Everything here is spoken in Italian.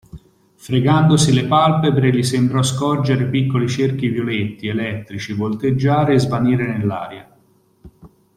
Fregandosi le palpebre gli sembrò scorgere piccoli cerchi violetti, elettrici, volteggiare e svanire nell'aria.